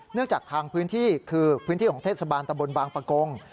จากทางพื้นที่คือพื้นที่ของเทศบาลตะบนบางประกง